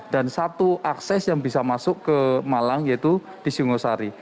dan satu akses yang bisa masuk ke malang yaitu di sungosari